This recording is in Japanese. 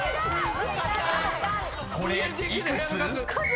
［これ幾つ？］